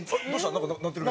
なんか鳴ってる。